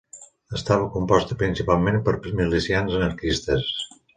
Estava composta principalment per milicians anarquistes.